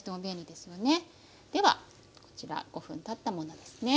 ではこちら５分たったものですね。